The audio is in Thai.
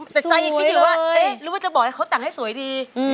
แต่ใจอีกพี่เดี๋ยวว่ารู้ไหมจะบอกให้เขาแต่งให้สวยดี